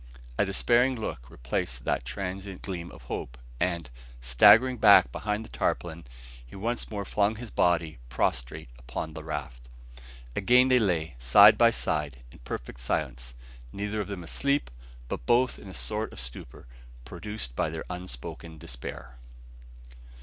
A despairing look replaced that transient gleam of hope, and, staggering back behind the tarpaulin, he once more flung his body prostrate upon the raft. Again they lay, side by side, in perfect silence, neither of them asleep, but both in a sort of stupor, produced by their unspoken despair.